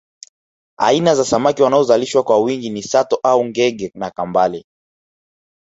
Aina za samaki wanaozalishwa kwa wingi ni sato au ngege na kambale